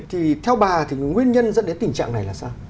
thì theo bà thì nguyên nhân dẫn đến tình trạng này là sao